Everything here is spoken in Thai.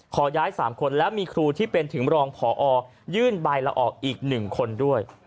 ขอย้าย๓คนแล้วมีครูที่เป็นถึงรองพอยื่นใบละออกอีก๑คนด้วย